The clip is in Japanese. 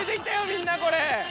みんなこれ。